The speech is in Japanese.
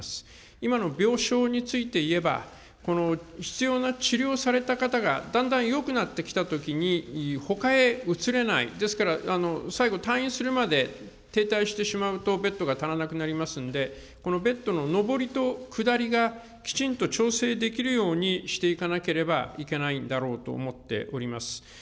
今の病床についていえば、この必要な治療された方がだんだんよくなってきたときに、ほかへ移れない、ですから、最後、退院するまで停滞してしまうと、ベッドが足らなくなりますんで、このベッドの上りと下りが、きちんと調整できるようにしていかなければいけないんだろうと思っております。